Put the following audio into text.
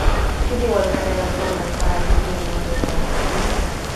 Qui viu al carrer del Pont del Treball Digne número deu?